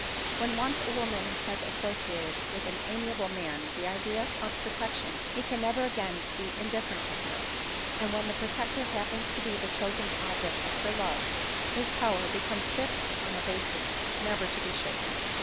When once a woman has associated with an amiable man the idea of protection, he can never again be indif ferent to her ; and when the protector happens to be the chosen object of her love, his power becomes fixed on a basis never to be shaken.